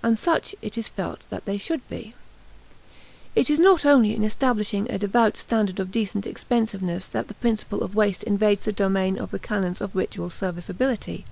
And such it is felt that they should be. It is not only in establishing a devout standard of decent expensiveness that the principle of waste invades the domain of the canons of ritual serviceability.